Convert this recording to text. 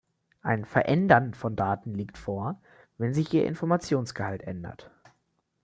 Ein "Verändern" von Daten liegt vor, wenn sich ihr Informationsgehalt ändert.